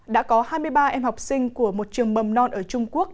đã có hai mươi ba em học sinh của một trường mầm non ở trung quốc